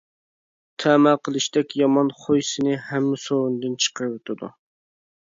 تەمە قىلىشتەك يامان خۇي سېنى ھەممە سورۇندىن چىقىرىۋېتىدۇ.